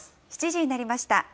７時になりました。